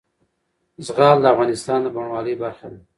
زغال د افغانستان د بڼوالۍ برخه ده.